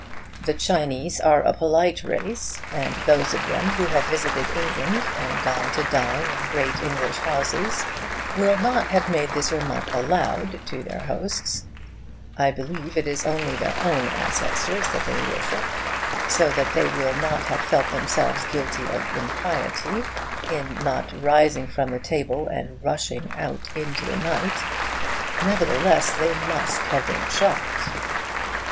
The Chinese are a polite race, and those of them who have visited England, and gone to dine in great English houses, will not have made this remark aloud to their hosts. I believe it is only their own ancestors that they worship, so that they will not have felt themselves guilty of impiety in not rising from the table and rushing out into the night. Nevertheless, they must have been shocked.